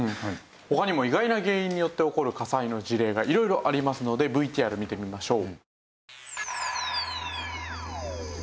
他にも意外な原因によって起こる火災の事例が色々ありますのでＶＴＲ見てみましょう。